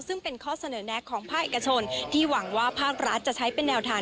ซึ่งเป็นข้อเสนอแนะของภาคเอกชนที่หวังว่าภาครัฐจะใช้เป็นแนวทาง